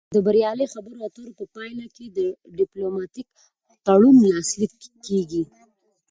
د بریالۍ خبرو اترو په پایله کې ډیپلوماتیک تړون لاسلیک کیږي